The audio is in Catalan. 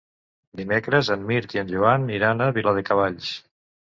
Dimecres en Mirt i en Joan iran a Viladecavalls.